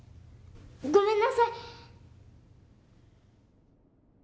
ごめんなさい！